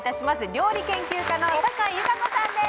料理研究家のサカイ優佳子さんです。